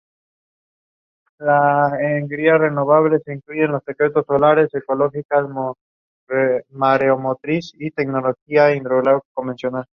Se encuentran en África: desde Gambia hasta Ghana.